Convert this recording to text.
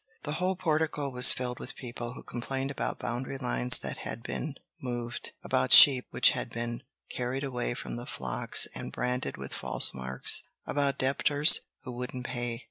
The whole portico was filled with people, who complained about boundary lines that had been moved, about sheep which had been carried away from the flocks and branded with false marks, about debtors who wouldn't pay.